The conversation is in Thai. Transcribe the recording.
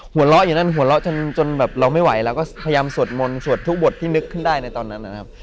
หัวเราะอยู่นั่นหัวเราะจนแบบเราไม่ไหวแล้วก็พยายามสวดมนต์สวดทุกบทที่นึกขึ้นได้ในตอนนั้นนะครับ